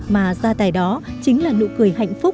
mà gia tài đó chính là nụ cười hạnh phúc